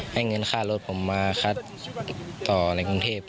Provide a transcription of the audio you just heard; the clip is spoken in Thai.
ให้เงินค่ารถผมมาคัดต่อในกรุงเทพ